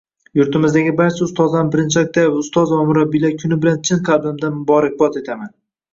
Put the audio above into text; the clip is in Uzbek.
Yurtimizdagi barcha ustozlarni birinchi oktyabr ustoz va murabbiylar kuni bilan chin qalbimdan muborakbod etaman!